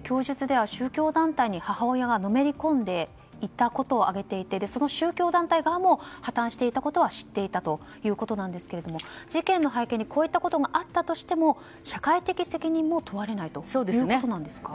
供述では宗教団体に母親がのめりこんでいたことを挙げていて、その宗教団体側も破綻していたことは知っていたということですが事件の背景にこういったことがあったとしても社会的責任を問われないということですか？